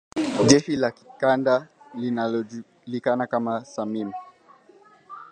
Jeshi la kikanda linalojulikana kama SAMIM